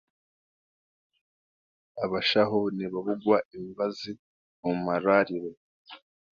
Abashaho nibabugwa emibazi omu marwariro